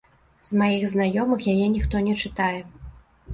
З маіх знаёмых яе ніхто не чытае.